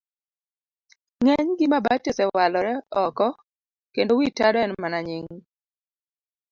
Ng'eny gi mabati osewalore oko kendo wi tado en mana nying.